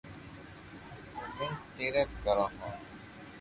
گومين تيرٿ ڪرو ھون